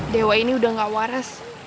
dewa ini udah gak waras